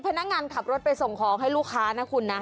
พนักงานขับรถไปส่งของให้ลูกค้านะคุณนะ